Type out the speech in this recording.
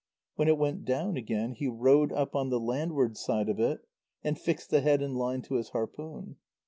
When it went down again, he rowed up on the landward side of it, and fixed the head and line to his harpoon.